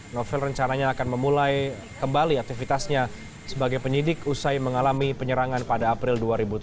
novel rencananya akan memulai kembali aktivitasnya sebagai penyidik usai mengalami penyerangan pada april dua ribu tujuh belas